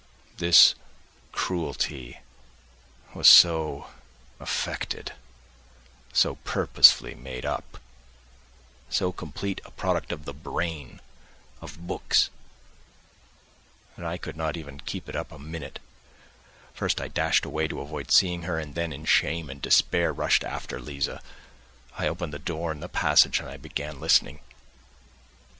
This cruelty was so affected, so purposely made up, so completely a product of the brain, of books, that I could not even keep it up a minute—first I dashed away to avoid seeing her, and then in shame and despair rushed after Liza. I opened the door in the passage and began listening.